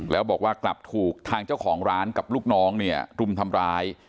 แล้วบอกว่ากลับถูกทางเจ้าของร้านกับลูกน้องเนี่ยรุมทำร้าย